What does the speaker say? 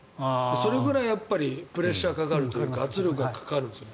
それぐらいプレッシャーがかかるというか圧力がかかるんです。